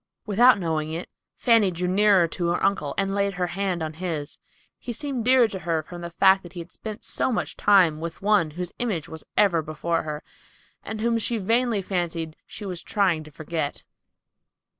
Without knowing it, Fanny drew nearer to her uncle and laid her hand on his. He seemed dearer to her from the fact that he had spent so much time with one whose image was ever before her, and whom she vainly fancied she was trying to forget.